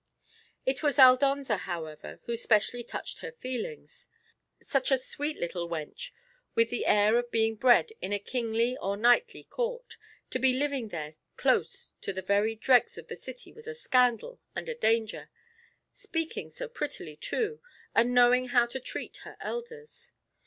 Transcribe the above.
It was Aldonza, however, who specially touched her feelings. Such a sweet little wench, with the air of being bred in a kingly or knightly court, to be living there close to the very dregs of the city was a scandal and a danger—speaking so prettily too, and knowing how to treat her elders.